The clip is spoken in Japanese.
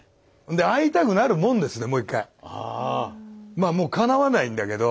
まあもうかなわないんだけど。